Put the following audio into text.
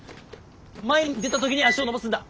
前に出た時に足を伸ばすんだ。